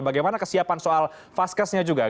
bagaimana kesiapan soal vaskesnya juga